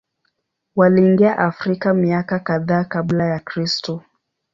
Waliingia Afrika miaka kadhaa Kabla ya Kristo.